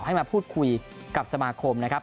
ให้มาพูดคุยกับสมาคมนะครับ